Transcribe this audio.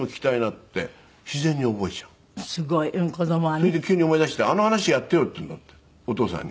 それで急に思い出して「あの話やってよ」って言うんだってお父さんに。